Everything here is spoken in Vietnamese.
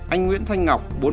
anh nguyễn thanh ngọc